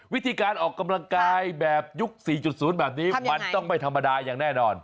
วิธีการออกกำลังกายแบบยุค๔๐แบบนี้มันต้องไม่ธรรมดาอย่างแน่นอน